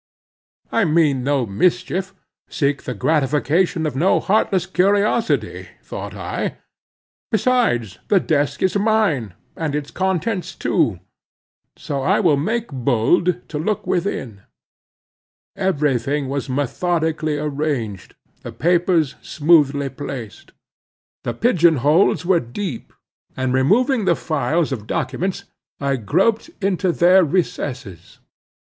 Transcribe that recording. I mean no mischief, seek the gratification of no heartless curiosity, thought I; besides, the desk is mine, and its contents too, so I will make bold to look within. Every thing was methodically arranged, the papers smoothly placed. The pigeon holes were deep, and removing the files of documents, I groped into their recesses.